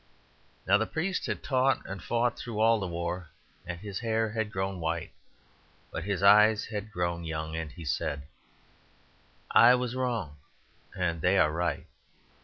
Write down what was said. Now the priest had taught and fought through all the war, and his hair had grown white, but his eyes had grown young. And he said, "I was wrong and they are right.